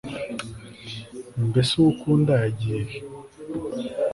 mbese uwo ukunda yagiye he